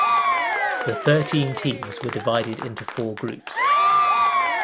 The thirteen teams were divided into four groups.